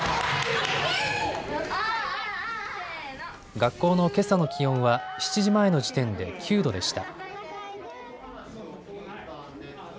学校のけさの気温は７時前の時点で９度でした。